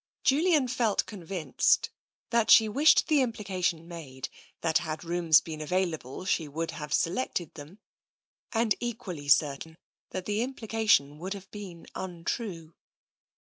Julian felt convinced that she wished the implication made that had rooms been available she would have selected them, and equally certain that the implication would have been untrue.